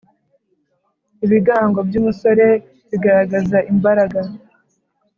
ibigango by,umusore bigaragaza imbaraga